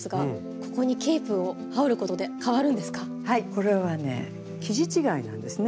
これはね生地違いなんですね。